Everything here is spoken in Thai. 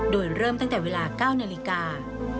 โดยเริ่มตั้งแต่เวลา๙นาฬิกา